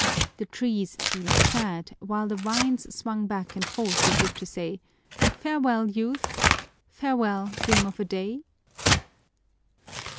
The trees seemed sad, while the vines swung back and forth as if to say, "Farewell, youth! Farewell, dream of a day!"